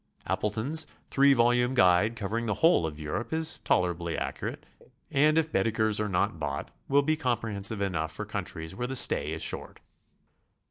Appleton's three volume guide covering the whole of Europe is tolerably accurate, and, if Baedekers are not bought, will be comprehensive enough for countries where the stay is short.